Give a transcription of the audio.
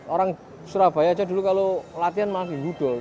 orang surabaya dulu kalau latihan masih gudo